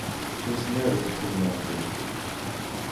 She is married to Tim Murphy.